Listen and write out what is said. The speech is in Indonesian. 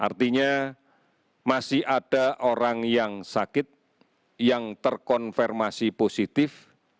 artinya masih ada orang yang sakit yang terkonfirmasi positif